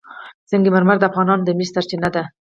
سنگ مرمر د افغانانو د معیشت سرچینه ده.